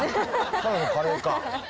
ただのカレーか。